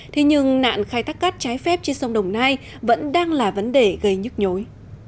thế nhưng nạn khai thác cát trái phép trên sông đồng nai vẫn đang là vấn đề gây nhức nhối